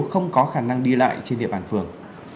không có khả năng đi lại trên địa bàn phường